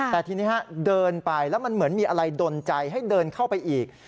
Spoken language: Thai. แต่ทีนี้เดินไปแล้วมันเหมือนมีอะไรดนใจให้เดินเข้าไปอีก